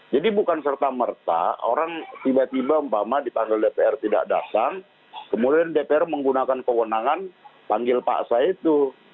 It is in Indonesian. jadi bukan serta merta orang tiba tiba empama dipanggil dpr tidak dasar kemudian dpr menggunakan kewenangan panggil paksa itu